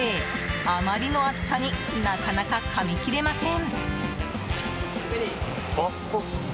あまりの熱さになかなかかみ切れません。